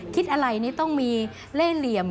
คิดอะไรนี่ต้องมีเล่เหลี่ยม